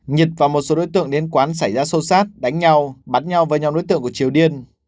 nhịt vào một số đối tượng đến quán xảy ra sâu sát đánh nhau bắn nhau với nhau đối tượng của triều điên